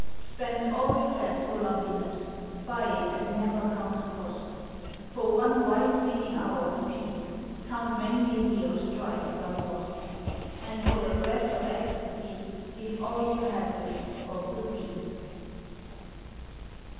Spend all you have for loveliness, Buy it and never count the cost; For one white singing hour of peace Count many a year of strife well lost, And for a breath of ecstasy Give all you have been, or could be.